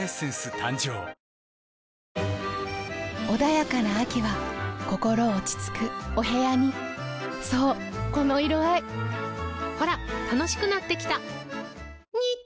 誕生穏やかな秋は心落ち着くお部屋にそうこの色合いほら楽しくなってきた！